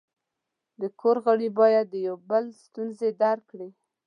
د کور غړي باید د یو بل ستونزې درک کړي.